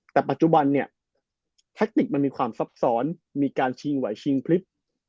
แต่ปัจจุบันเนี่ยแทคติกมันมีความซับซ้อนมีการชิงไหวชิงพลิบ